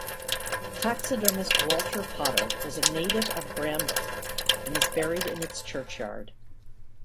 Taxidermist Walter Potter was a native of Bramber, and is buried in its churchyard.